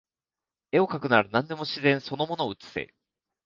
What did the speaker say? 画をかくなら何でも自然その物を写せ